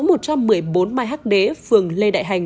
mai hắc đế phường lê đại hành